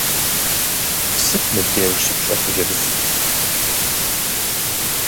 Сыт м ыбдеж щыпщӀэр, хъыджэбз цӀыкӀу?